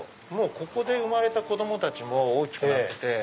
ここで生まれた子供たちも大きくなってて。